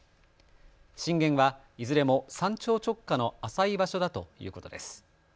震源はいずれも山頂直下の浅い場所だということです。